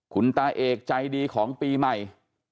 คุณตาเอกใจดีของปีใหม่